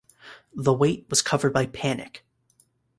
"The Weight" was covered by Panic!